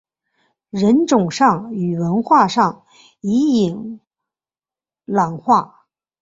人种上与文化上已伊朗化。